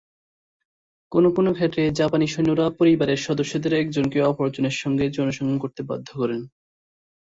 কোনো কোনো ক্ষেত্রে জাপানি সৈন্যরা পরিবারের সদস্যদের একজনকে অপর জনের সঙ্গে যৌনসঙ্গম করতে বাধ্য করে।